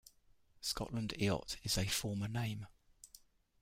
"Scotland Eyot" is a former name.